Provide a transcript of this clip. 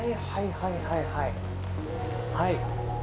はい。